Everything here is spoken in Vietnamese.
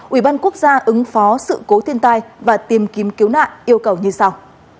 ubq ứng phó sự cố thiên tai và tìm kiếm cứu nạn yêu cầu như sau